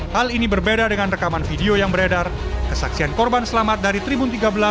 hal ini berbeda dengan rekaman video yang beredar kesaksian korban selamat dari tribun tiga belas